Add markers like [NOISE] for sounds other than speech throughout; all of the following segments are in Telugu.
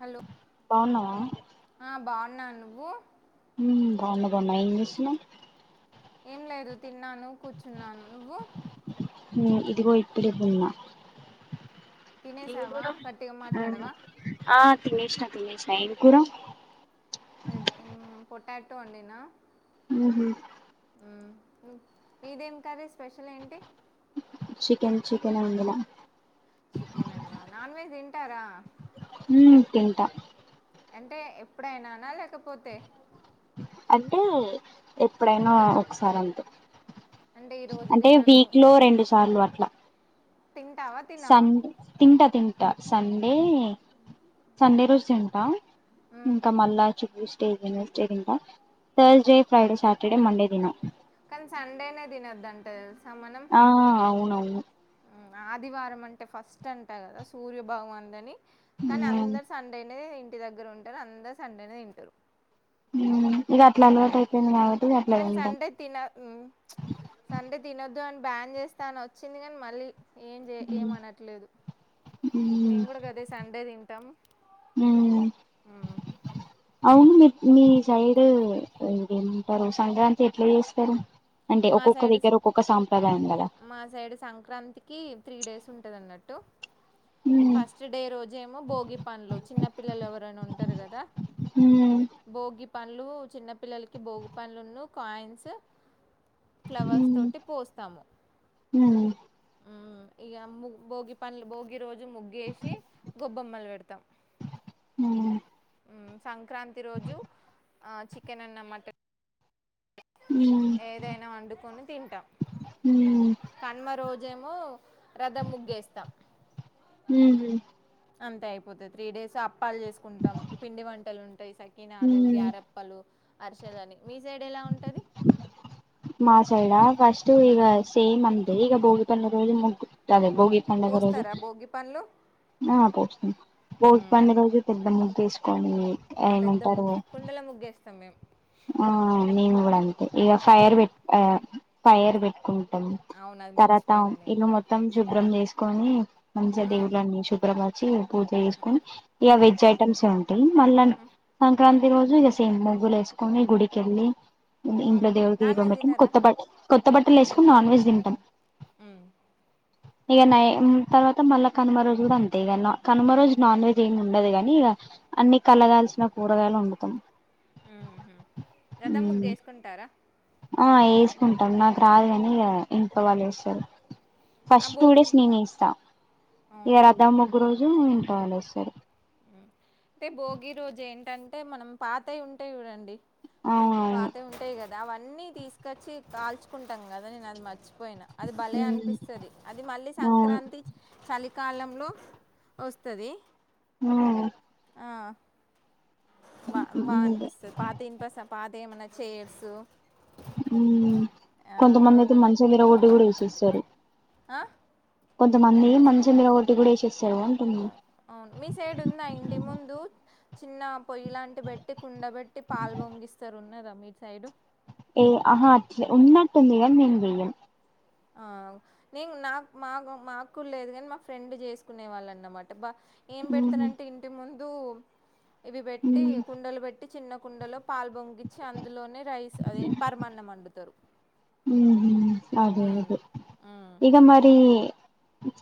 హలో బాగున్నావా ఆ బావున్నా నువ్వు? మ్ బావున్న బావున్నాయి ఏం చేస్తున్నావ్? ఏం లేదు తిన్నాను కూర్చున్నాను నువ్వు? మ్ ఇదిగో ఇప్పుడు తిన్నా ఏం తినేసావా కూర గట్టిగా మాట్లాడవా ఆ తినేషన తినేష్ణ ఎం కూర? పొటాటో వండినా ఉహ మీదేం కర్రీ స్పెషల్ ఏంటి? చికెన్ చికెన్ వండినా చికెన్ అన్నా నాన్ వెజ్ తింటారా? ఉ తింటా అంటే ఎప్పుడైనానా లేకపోతే అంటే ఎప్పుడైనా ఒకసారి అంతే అంటే ఈరోజు అంటే తినను వీక్ లో రెండు సార్లు అట్లా తింటావా తినవా సన్ తింటా తింటా సండే సండే రోజు తింటా మ్మ్. ఇంకా మళ్ళా చూస్త డే వెడ్నెస్డే తింటాం తథర్స్డే, ఫ్రైడే, సాటర్డే, మండే తినం. కానీ సండేనే తినొద్దంటే ఆ అవున అవును ఆదివారం అంటే ఫస్ట్ అంటా కదా సూర్యభగవానుడు అని కానీ ఉమ్ అందరు సండే అనేది ఇంటి దగ్గర ఉంటారు అందరు సండే అనేది తింటారు. హ కానీ సండే తిన సండే దిన దాని బ్యాన్ చేస్తా అని వచ్చింది కానీ మళ్ళీ ఏం చే ఏం ఉమ్ అనట్లేదు ఉమ్ మేము కూడా గదే సండే తింటాం. అ అవును మీ మీ సైడ్ ఇదేమంటారు సంక్రాంతి ఎట్లా చేస్తారు? అంటే మా ఒక్కొక్క సైడ్ దగ్గర ఒక్కొక్క సాంప్రదాయం కదా మా సైడ్ సంక్రాంతికి త్రీ డేస్ ఉంటు ఉందన్నట్టు ఉమ్ ఫస్ట్ డే రోజ ఏమో భోగి పంలు చిన్న పిల్లలు ఎవరు ఎవరైన ఉంటారు కదా హ పంలు చిన్న పిల్లలకి బోగు పనులున్న కాయిన్స్ ఫ్లవర్స్ ఉమ్ తోటి పోస్తాము ఉమ్ మ్ ఇయమ్మి భోగి పండ్లు భోగి రోజు ముగ్గేసి గొబ్బమ్మలు పెడతాం ఉమ్ ఉమ్ సంక్రాంతి రోజు ఆ చికెన్ అన్న మటన్ ఏదైనా వండుకొని తింటాం ఉమ్ కనుమ రోజేమో రథం ముగ్గేస్తాం. ఉమ్ అంత అయిపోతది. త్రీ డేస్ అప్పాల్ చేసుకుంటం పిండి వంటలుం టయి సకినాలు, ఉమ్ గ్యారెప్పలు, అరిసెలని మీ సైడ్ ఎలా ఉంటది? మా సైడా ఫస్టు ఇగ సేమ్ అంతే ఇగ భోగి పండ్ల రోజు మొక్కు [INAUDIBLE] భోగి పండగ రోజు పోస్తారా భోగి పండ్లు ఆ పోస్త భోగి పండగ రోజు పెద్ద ముగ్గేస్ ఆ పెద్ద బు కుండల ముగ్గేస్తాం మేం ఆ నేన్ గుడా అంతే ఇగ ఫైయర్ ఉమ్ బెట్ ఆ ఫైర్ బెట్కు టం అవును అది తర్వాత మర్చిపోయినా నేను ఇల్లు కూడా మొత్తం శుభ్రం చేస్కోని మంచిగ ఆ దేవులన్ని శుభ్రపరిచీ పూజ చేస్కొని ఇగ ఉమ్ వెజ్ ఐటమ్సే ఉంటయి మళ్ళను సంక్రాం తి రోజు ఇగ సేమ్ ముగ్గులేస్కొని గుడికెళ్లీ ఇంట్ల ఉమ్ దేవుడికి నాన్ దీపం వెజ్ పెట్టి తినరా కొత్త బట్ కొత్త బట్టలేస్కొన్ నాన్ వెజ్ తింటం. మ్ ఇగ నై తర్వాత మళ్ళ కనుమ రోజు గుడా అంతే ఇగ న కనుమ రోజు నాన్ వెజ్ ఏం ఉండదు గనీ ఇగ అన్ని కలగల్సిన కూరగాయల్ వండుతం. ఉహు రథం ముగ్గేస్కుంటారా? ఆ ఏస్కుంటాం నాకు రాదు గనీ ఇగ ఇంట్లో వాల్లేస్తరు. ఆ ఫస్ట్ టూ భోగి డేస్ నేనేస్తా. ఇగ అవును రథం ముగ్గు రోజు ఇంట్లో వాళ్లేస్తరు. అంటే భోగి రోజ్ ఏంటంటే మనం పాతయి ఉంటయి చూడండి పాతై ఉంటయి కదా అవన్నీ తీస్కచ్చి కాల్చుకుంటాం గదా నేన్ అది మర్చి పోయిన అది భలే అవునవును అనిపిస్తది. అది మళ్ళీ సంక్రాంతి చలి కాలంలో వస్తది. ఆ ఆ బ బా అనిపిస్తది పాత ఇన్పస పాత ఏమన్నా చైర్స్ మ్ కొంతమందైతే ఏమన్నా ఉంటే మంచాల్ విరగొట్టి గుడా ఏసేస్తరు. ఆ కొంతమంది మంచం ఇరగొట్టి గుడ యేసే అవును మీ సైడ్ ఉందా ఇంటి ముందు చిన్న పొయ్యిలాంటి బెట్టి కుండబెట్టి పాల్ పొంగిస్తరు ఉన్నదా మీ సైడు ఏ అహ అట్ ఉన్నట్టుంది గని నేన్ వెయ్యన్ ఆ నేన్ నాక్ మాక్ మాక్ కుడ లేదు గని మా ఫ్రెండ్ జేస్కునే వాళ్ళన్నమా ట బ ఏం ఉహు, బెడ్తనంటే ఇంటి ముందు ఇవి పెట్టి ఉమ్, కుండల్ పెట్ టి చిన్న కుండలో పాల్ బొంగిచ్చి అందులోనే రైస్ అదే పరమాన్నం వండుతరు. ఉహు, అదే అదే ఇగ మరీ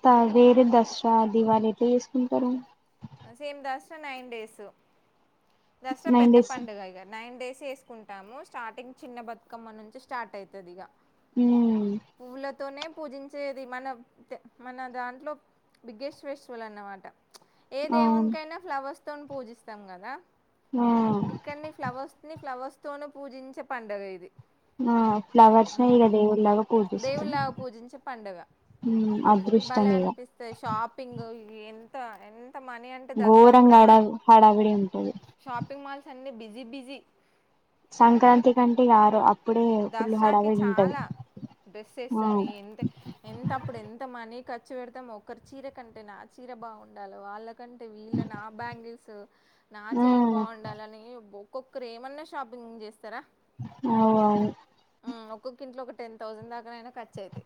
త వేరే దసరా, దివాలీ ఎట్ల చేస్కుంటరు? Same Dasara nine days Dasara nine పెద్ద డేస్ పడుగ ఇగ నైన్ డేస్ చేస్కుంటాము. స్టార్టింగ్ చిన్న బతుకమ్మ నుంచి స్టార్ట్ అయితదిగ పువ్వులతోనే పూజించేది మన త మన దాంట్లో బిగ్గెస్ట్ ఫెస్టివల్ అన్నమాట. ఏ అవును దేవునికైనా ఫ్లవర్స్తోన్ పూజిస్తాం గదా ఆ ఇక్కడ్ని ఫ్లవర్స్ని ఫ్లవర్స్తోనే పూజించే పండగ ఇది ఆ ఫ్లవర్స్నే ఇగ దేవుల్లాగా పూజిస్తాం. దేవుళ్ళలాగా పూజించే పండుగ అదృష్టం భలే ఇక అనిపిస్తయి. షాపింగ్ ఎంత ఎన్ త మనీ అంటే దసరా అప్పుడే ఘోరంగా హడా మనీ హడావిడి ఉంటది షాపింగ్ మాల్స్ అన్ని బి జి బిజి సంక్రాంతి కంటే ఇగ ఆరు అప్పుడే ఫుల్ దసరాకి హడావిడి ఉంటది. చాలా డ్రెస్సెస్ ఆ అని ఎంత ఎంత అప్పుడెంత మనీ క ఖర్చు పెడ్తాం. ఒకర్ చీర కంటే నా చీర బాగుండాలి వాళ్ళ కంటే వీళ్ళ నా బ్యాంగిల్స్ నా ఆ చైన్ బాగుండాలనీ ఒకొక్కర్ ఏమన్న షాపింగ్ జేస్తరా అవు అవు ఆ ఒక్కొక్క ఇంట్లో ఒక టెన్ థౌసండ్ దాకానైనా ఖర్చు అవుతాయి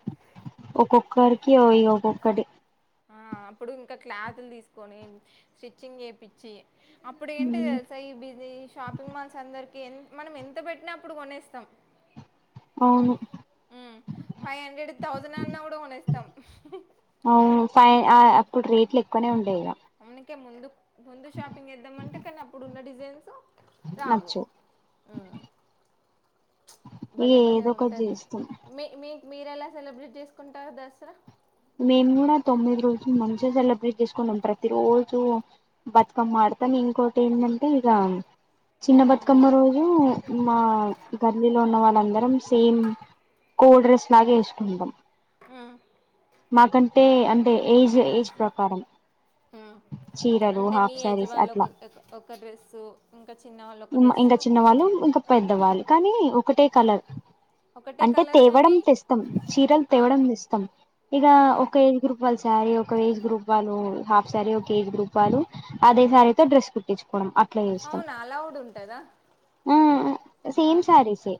ఒక్కొక్కర్కీ ఇగ ఒక్కొక్కటి ఆ అప్పుడు ఇంకా క్లాతుల్ తీస్కోని స్టిచ్చింగ్ చేపిచ్చి అప్పుడ్ ఏంటి తెల్సా ఈ బిజీ షాపింగ్ మాల్స్ అందర్ కి ఎన్ మనం ఎంత పెట్టినా అప్పుడు కొనేస్తాం. అవును మ్ ఫైవ్ హండ్రెడ్, థౌజండ్ అన్నా గుడ కొనేస్తాం. అప్పుడ్ రేట్లెక్కువనే ఉండే ఇగ అందుకే ముందు ముందు షాపింగ్ చేద్దామంటే కనీ అప్పుడున్న డిజైన్స్ రావు నచ్చు మ్ ఇక భలే భలేె ఏదో ఒకటి ఉంటద్ చేస్తాం మీ మీ మీరెలా సెలబ్రేట్ చేస్కుంటారు దసరా మేం గుడా తొమ్మిది రోజులు మంచిగ సెలబ్రేట్ చేస్కుంటం. ప్రతి రోజూ బతుకమ్మ ఆ డతం ఇంకోటేందంటే ఇగా చిన్న హ్మ్. బతుకమ్మ రోజు మాగాల్లో ఉన్న వాళ్ళందరం సేమ్ కో డ్రెస్ లాగా ఏస్కుంటం. అ నాకంటే అంటే ఏజ్ ఏజ్ ప్రకారం హ్మ్. చీరలు, అంటే మీ హాఫ్ ఏజ్ సారీస్ వాళ్ళు ఒక అట్లా ఒక డ్రెస్ మ్ ఇంక చిన్నవాళ్ళు, ఇంక పెద్దవాళ్ళు కనీ ఒకటే హ్మ్. కలర్ ఒకటే అంటే కలర్ తేవడం గానీ తెస్తం. చీరల్ ఆ! తేవడం తెస్తం ఇగ ఆ! ఒక ఏజ్ గ్రూప్ వా శారీ, ఒక ఏజ్ గ్రూప్ వాళ్ళు హాఫ్ సారీ, ఒక ఏజ్ గూప్ వాళ్ళు అదే సారీతో డ్రెస్ కుట్టిచ్ కోడం అట్ల చేస్తాం. కుట్టుడుంటదా ఆ సేమ్ ఆహా శారీసే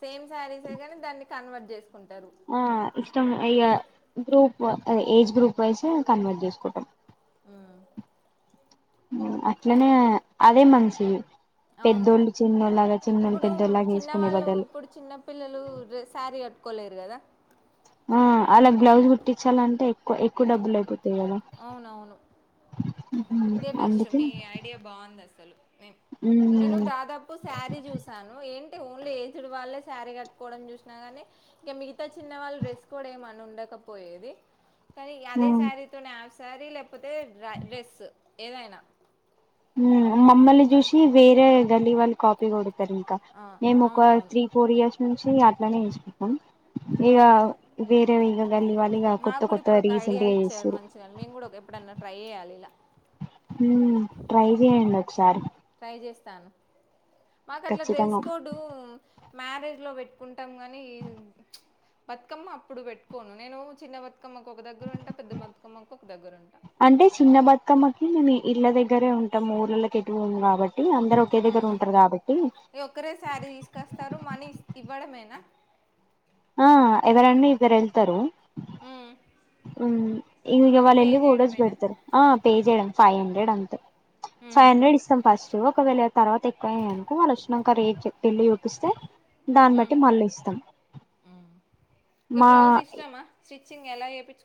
సేమ్ సారీసే గని దాన్ని కుట్ కన్వర్ట్ జేస్ ఆ ఇష్టం ఇగా group age group wise convert చేస్కుంటం. ఆ అట్లనే అదే మంచిది అవును పెద్దోళ్ళు, చిన్నోళ్ ఇప్పుడు చిన్న వాళ్ళు ఇప్పుడు చిన్న పిల్లలు డ్రె సారీ క ట్కోలేర్ గదా ఆ ఆళ్ళక్ బ్లౌజ్ కుట్టిచ్చాలంటే ఎక్కువ ఎక్కువ డబ్బులైపో అవునవును. ఇదే బెస్ట్ అందుకే మీ ఐడియా బాగుంది అసలు మేం నేను మ్మ్ దాదాపు సారీ చూసాను ఏం టి ఓన్లీ ఏజ్డ్ వాళ్ళే శారీ కట్టుకోవడం చూసినా గని ఇగ మిగతా చిన్న వాళ్ళు డ్రెస్ కోడ్ ఏం అని ఉండ కపోయేది కనీ అదే మ్మ్ శారీతోనే హఫ్ సారీ లేకపోతే ర డ్రెస్ ఏదైనా మ్ మమ్మల్ని జూసి వేరే గల్లీ వాళ్ళు కాప్ తిప్పి కొడతర్ ఇక అ మేమొకా అవునవును త్రీ, ఫోర్ ఇయర్స్ నుంచి అట్లనే చేస్తున్నం. ఇగ అవును వేరే ఇగ గల్లీ వాళ్ళు ఇగ కొత్త నాకు కూడా కొత్త ఇప్పుడు ఒక ఐడియా రీసెంట్గా ఇచ్చారు చేస్తున్రు. మంచిగా మేము కూడా ఒక- ఎప్పుడన్నా ట్రై చేయాలిలా మ్ ట్రై చేయండ్ ఒక్సారి తాను మాకట్లా డ్రెస్ ఖచ్చితంగా కోర్డూ మ్యారేజ్లో పెట్టుకుంటం గనీ బతుకమ్మ అప్పుడు పెట్టుకోను నేను చిన్న బతు తుకమ్మకొక దగ్గరుంట, పెద్ద బతుకమ్మకొక దగ్గరుంట. ఇగ మీ ఇళ్ళ దగ్గరే ఉంటము ఊర్లల్లక్ ఎటు పోమ్ కాబట్టి అందరు ఒకే దగ్గర ఉంటారు కాబట్టి ఇగ ఒక్కరే సారీ తీస్కస్తరు మనీ ఇవ్వడమేనా? ఆ ఎవరన్న ఇద్దరెళ్తరు ఉమ్. మ్ ఇ ఇగ మనీ పే వాల్లెళ్ళి ఫొటోస్ చేయడమేనా పెడ్తరు ఆ పే చేయడం ఫైవ్ హండ్రెడ్ అంతే ఉమ్. ఫైవ్ హండ్రెడ్ ఇస్తం ఫస్ ట్ ఒకవేళ తర్వాత ఎక్కువైయ్యానుకో వాళ్ళు వచ్చినంక రేట్ చెప్ ఎళ్ళి చూపిస్తే దాన్ బట్టి మల్లిస్తాం. మ్ ఇగ బ్లౌజ్ ఇష్టమా స్టిచ్చింగ్ ఎలా చేపిచ్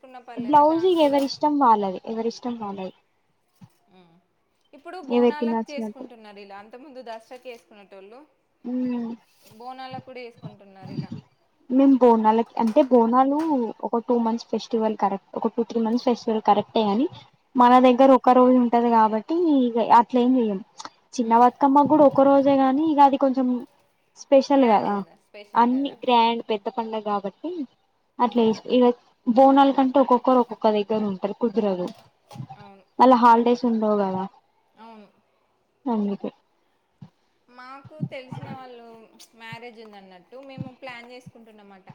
బ్లౌజ్ ఇగ ఎవరిష్టం వాళ్ళది ఎవరిష్టం వాళ్ళది. ఇప్పుడు ఎవరికి బోనాలక్ నచ్చినట్టు చేసుకుంటున్నారు ఇలా అంతక్ ముందు దసరక్ చేస్కునేటోళ్ళు బోనాలక్ కూడ మేం బోనాలక్ అంటే బోనాలు ఒక టూ మంత్స్ ఫెస్టివల్ కరెక్ట్ ఒక టూ త్రీ మంత్స్ ఫెస్టివల్ కరెక్టే గని మన ఉమ్, దగ్గర ఒక రోజు ఉంటది కాబట్టీ ఇగ అట్లేం చేయం. చిన్న బతుకమ్మ గుడ ఒక రోజే గనీ ఇగ అది కొంచం స్పెషల్ గ్రాండ్ గదా కదా స్పెషల్ అన్ని కదా గ్రాండ్ పెద్ద పండగ కాబట్టి అట్ల ఇస్ ఇగ బోనాల కంటే ఒక్కొక్కర్ ఒక్కొక్క దగ్గరుంటరు కుదరదు. అవును మళ్ళ హాల్డేస్ ఉండవు గదా అవును అందుకే మాకు తెలిసిన వాళ్ళు మ్యారేజ్ ఉందన్నట్టు మేము ప్లాన్ చేసుకుంటున్నమట.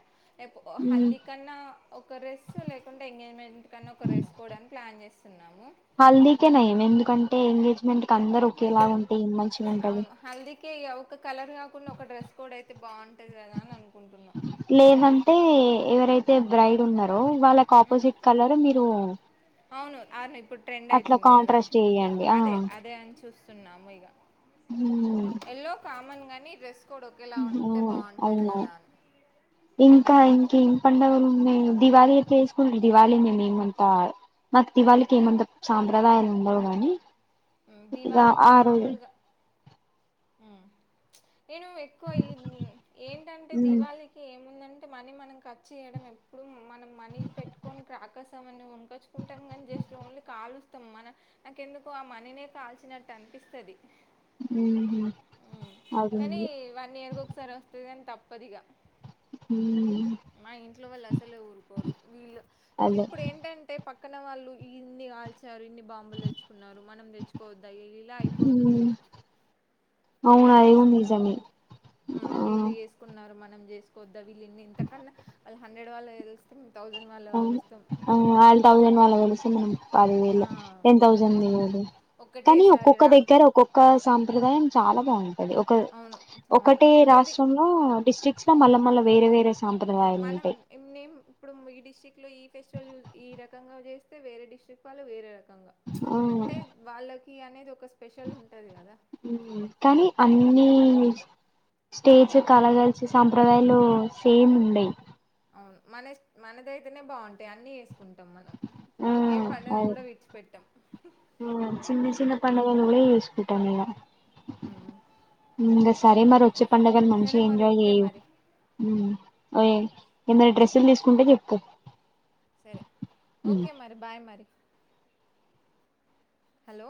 ఎపు హల్దీ కన్నా ఒక డ్రెస్ లేకుంటే ఎంగేజ్మెంట్ కన్నా ఒక రెస్సుకోడానికి ప్లాన్ చేస్ హల్దీకే నయం ఎందుకంటే ఎంగేజ్మెంట్ కందరు ఒకేలాగా ఉంటే ఏం మంచిగుంటది. కే ఇగ ఒక కలర్ కాకుంన్న ఒక డ్రెస్ కోడ్ అయితే బాగుంటది కదా అని అనుకుంటున్నా. లేదంటే ఎవరైతే బ్రైడ్ ఉన్నరో వాళ్ళక్ ఆపోజిట్ కలర్ మీరూ అవును ఆదే ఇప్పుడు ట్రెండ్ అయితుంది గదా చేయండి ఆ అదే అదే అన్ చూస్తున్నాము ఇగ హ్మ్ ఎల్లో కామన్ గాని డ్రెస్ కోడ్ ఒకేలా ఉంటే బాగుంటది అవును కదా అని ఇంకా ఇం ఏం పండుగలున్నయి దివాళీ కేస్కుంది దివాళి మేమేం అంతా మాకు దివాళికి ఏమంత సాంప్రదాయాలుండవు గానీ దివాలీకి మామూల్గ మ్ నేను ఎక్కువ ఈ ఏంటంటే దీవాళికి ఏముందం టే మనీ మనం ఖర్చు చేయడం ఎప్పుడు మనం మనీ పెట్టుకోన్ క్రాకర్స్ ఏమన్న కొనుకచ్చుకుంటం గని జస్ ట్ ఓన్లీ కాలుస్తాం మన నాకెందుకు ఆ మనీనే కాల్చినట్ అనిపిస్తది. అదే కనీ వన్ ఇయర్ కొక్సారి వస్తది కని తప్పదిగా మా ఇంట్లో వాళ్ళు అసలే ఊరుకోరు వీళ్ళు అదే ఇప్పుడు ఏంటంటే పక్ పక్కన వాళ్ళు ఇన్నీ కాల్చ్ ఎవరెన్ని బాంబులు తెచ్చుకున్నారు మనం తెచ్చుకోవద్దా ఇలా అయిపోతుంది. అవునా వీళ్ళు ఏం చేసుకున్నారు నిజమే ఉమ్ ఆ వీళ్ళు చేసుకున్నారు మనం చేసుకోద్దా వీళ ఇంతకన్నా వాళ్ళ హండ్రెడ్ వాళ్ళ వె ఆవును ఆళ తౌసండ్ వాళ్ళ వెసన్నా పది వేళ ఆ టెన్ ఒ థౌసండ్దు కానీ ఒకటేసారి ఒక్కొక్క రా దగ్గర ఒక్కొక్క సా రివెంజ్ చాలా బావుంటది ఒక అవును అవును ఒకటే ఎవరిది రాష్ట్రంలో డిస్ట్రిక్ట్ చ్చ మళ్ళ మళ్ళ వేరె వేరె మనం నేం ఇప్పుడు ఈ డిస్టిక్ లో ఈ ఫెస్టివల్ ఈ రకంగా చేస్తే వేరే డిస్టిరిక్ట్ వాళ్లు వేరేక ఆ అంటే వాళ్ళకి అనేది ఒక స్పెషల్ ఉంటుంది కదా కానీ అన్నీ స్టేజ్ కల కా కలిసి సాంప్రదాయాలు సేమ్ ఉండేయి వు మన మనదైతేనే బావుంటాయి అన్ని ఉంటాం మనం ఆ ఏ పలెని కూడా విడిచిపెట్టాం ఉ చిన్న చిన్న పండగలు కూడా యూస్కుంటం ఇగ ఇంగ సరే మరి వచ్చే పండగలు మంచి సరే మరి ఎంజాయ్ ఓకే చెయు మరి ఓయ్ ఏమరి డ్రెస్సులు తీసుకుంటే చెప్పు సరే ఓకే మరి బాయ్ మరి హలో